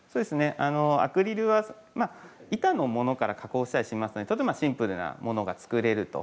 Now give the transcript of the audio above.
アクリルは板のものから加工したりしますのでシンプルなものが作れると。